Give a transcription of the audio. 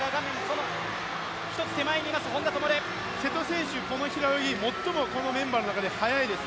瀬戸選手、この平泳ぎこのメンバーの中で最も速いです。